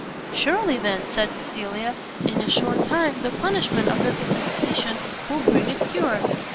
"Surely, then," said Cecilia, "in a short time, the punishment of this affectation will bring its cure."